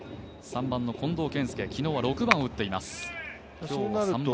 ３番の近藤健介、昨日は６番を打っています。